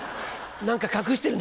何か隠してるな？